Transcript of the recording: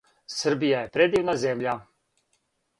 Srbija je predivna zemlja.